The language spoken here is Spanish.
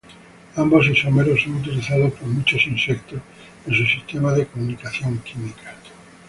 Ambos isómeros son utilizados por muchos insectos en su sistema de comunicación química.